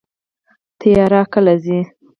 تیاره کله ځي؟